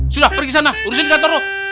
sudah pergi sana urusin kantor lo